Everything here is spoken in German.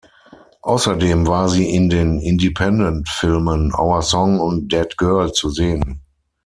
Außerdem war sie in den Independentfilmen "Our Song" und "Dead Girl" zu sehen.